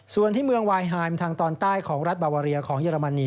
ส่วนที่เมืองวายไฮมทางตอนใต้ของรัฐบาวาเรียของเยอรมนี